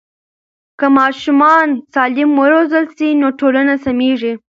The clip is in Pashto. که ماشومان سالم وروزل سي نو ټولنه سمیږي.